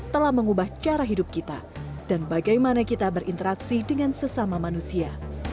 telah mengubah cara hidup kita dan bagaimana kita berinteraksi dengan sesama manusia